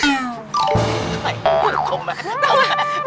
ไม่เห็นความคมไหม